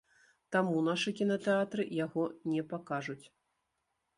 Таму нашы кінатэатры яго не пакажуць.